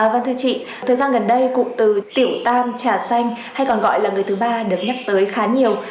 vâng thưa chị thời gian gần đây cụm từ tiểu tam trà xanh hay còn gọi là người thứ ba được nhắc tới khá nhiều